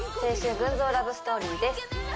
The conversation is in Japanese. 群像ラブストーリーです